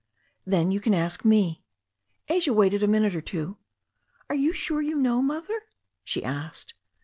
"Then you can ask me." Asia waited a minute or two. "Are you sure you know, Mother?" she asked.